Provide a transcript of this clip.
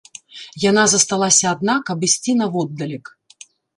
Яна засталася адна, каб ісці наводдалек.